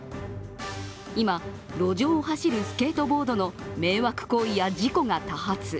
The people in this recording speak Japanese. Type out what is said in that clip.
今、路上を走るスケートボードの迷惑行為や事故が多発。